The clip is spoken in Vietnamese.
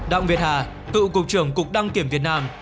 đặng việt hà cựu cục trưởng cục đăng kiểm việt nam